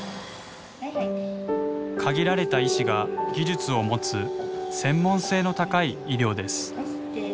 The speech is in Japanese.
限られた医師が技術を持つ専門性の高い医療です。